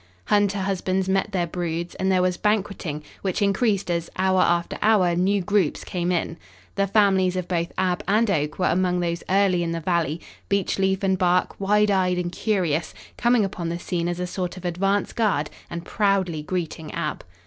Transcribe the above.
Hunter husbands met their broods, and there was banqueting, which increased as, hour after hour, new groups came in. The families of both Ab and Oak were among those early in the valley, Beechleaf and Bark, wide eyed and curious, coming upon the scene as a sort of advance guard and proudly greeting Ab.